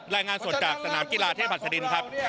รายงานสดจากสนามกีฬาเทพหัสดินครับ